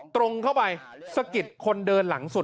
ตรงเข้าไปสะกิดคนเดินหลังสุด